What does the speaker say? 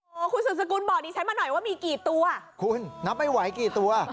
โอ้โหคุณสุดสกุลบอกดิฉันมาหน่อยว่ามีกี่ตัวคุณนับไม่ไหวกี่ตัว